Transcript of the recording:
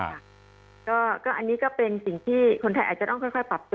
อันนี้ก็เป็นสิ่งที่คนไทยอาจจะต้องค่อยปรับตัว